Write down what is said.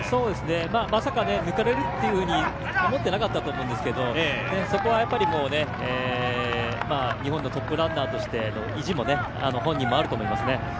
まさか抜かれるというふうに思っていなかったと思うんですけどそこは日本のトップランナーとしての意地が本人もあると思いますね。